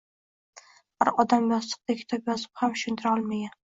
bir odam yostiqday kitob yozib ham tushuntira olmagan